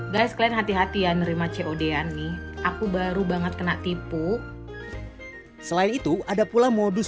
guys klien hati hati ya nerima codan nih aku baru banget kena tipu selain itu ada pula modus